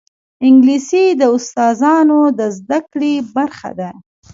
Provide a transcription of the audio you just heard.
انګلیسي د استاذانو د زده کړې برخه ده